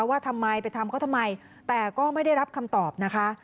ว่าทำไมไปทำเขาทำไมแต่ก็ไม่ได้รับคำตอบนะคะ